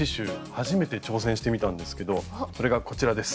初めて挑戦してみたんですけどそれがこちらです。